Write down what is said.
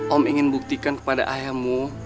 om ingin buktikan kepada ayahmu